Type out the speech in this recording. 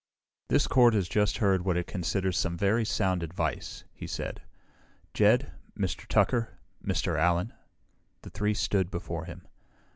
"This court has just heard what it considers some very sound advice," he said. "Jed, Mr. Tucker, Mr. Allen...." The three stood before him.